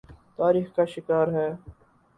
تاخیر کا شکار ہے۔